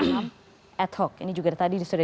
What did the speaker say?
paham ad hoc ini juga tadi sudah